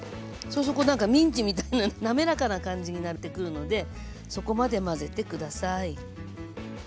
そうするとこうなんかミンチみたいな滑らかな感じになってくるのでそこまで混ぜて下さい。